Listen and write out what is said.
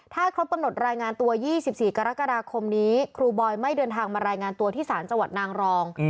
ถ้าครบกำหนดรายงานตัว๒๔กรกฎาคมนี้ครูบอยไม่เดินทางมารายงานตัวที่ศาลจังหวัดนางรอง